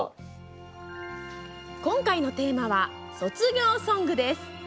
今回のテーマは「卒業ソング」です。